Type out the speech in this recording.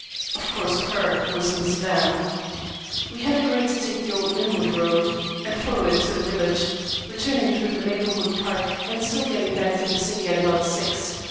(Of course "her" was Miss Van.) "We had agreed to take the old Linwood road, and follow it to the village, returning through the Maplewood Park and so getting back to the city at about six.